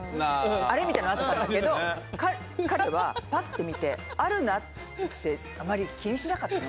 あれ？みたいになってたんだけど彼はパッと見てあるなってあまり気にしなかったの。